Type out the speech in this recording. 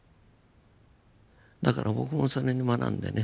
だから僕もそれに学んでね